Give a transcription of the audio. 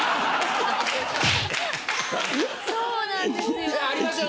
そうなんですよ。